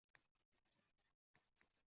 Havoni Kobayasining nidosi kesib o`tdi